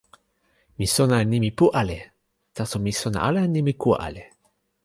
mi sona e nimi pu ale. taso mi sona ala e nimi ku ale.